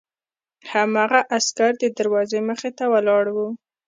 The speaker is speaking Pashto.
هماغه عسکر د دروازې مخې ته ولاړ و